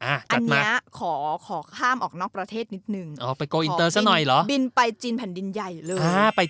อันนี้ขอข้ามออกนอกประเทศนิดนึงบินไปจีนแผ่นดินใหญ่เลย